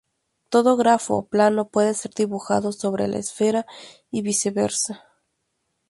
Todo grafo plano puede ser dibujado sobre la esfera, y viceversa.